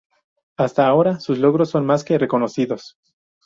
Hasta ahora, sus logros son más que reconocidos.